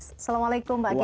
assalamualaikum pak kiai